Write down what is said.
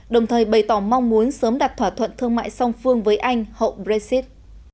đồng thời bày tỏ mong muốn sớm đặt thỏa thuận thương mại song phương với anh hậu brexit